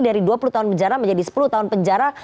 dari dua puluh tahun penjara menjadi sepuluh tahun penjara